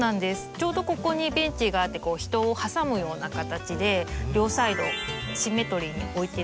ちょうどここにベンチがあって人を挟むような形で両サイドシンメトリーに置いてるんですけど。